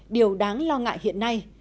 điều đáng lo ngại hiện nay